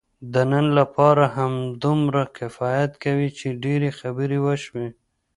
د نن لپاره همدومره کفایت کوي، چې ډېرې خبرې وشوې.